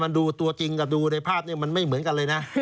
มันดูตัวจริงกับดูในภาพนี้มันไม่เหมือนกันเลยนะ